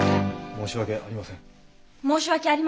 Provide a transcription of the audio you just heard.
申し訳ありません。